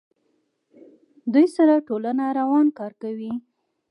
دې سره ټولنه روان کار کوي.